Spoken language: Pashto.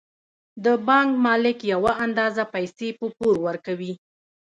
د بانک مالک یوه اندازه پیسې په پور ورکوي